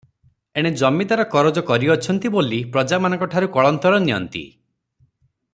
ଏଣେ ଜମିଦାର କରଜ କରିଅଛନ୍ତି ବୋଲି ପ୍ରଜାମାନଙ୍କଠାରୁ କଳନ୍ତର ନିଅନ୍ତି ।